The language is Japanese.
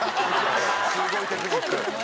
「すごいテクニック！」